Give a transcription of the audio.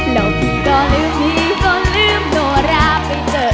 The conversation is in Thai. แล้วพี่ก็ลืมพี่ก็ลืมโนราไปเจอ